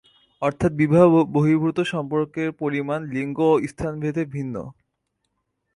অর্থাৎ বিবাহ বহির্ভূত সম্পর্কের পরিমাণ লিঙ্গ ও স্থানভেদে ভিন্ন।